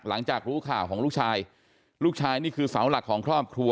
หลังจากรู้ข่าวของลูกชายลูกชายนี่คือเสาหลักของครอบครัว